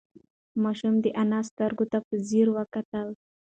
ماشوم د انا سترگو ته په ځير وکتل.